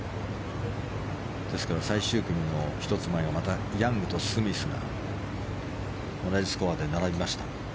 ですから、最終組の１つ前またヤングとスミスが同じスコアで並びました。